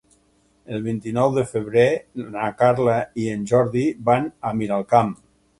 El vint-i-nou de febrer na Carla i en Jordi van a Miralcamp.